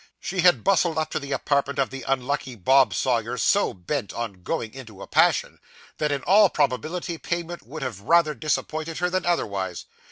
She had bustled up to the apartment of the unlucky Bob Sawyer, so bent upon going into a passion, that, in all probability, payment would have rather disappointed her than otherwise.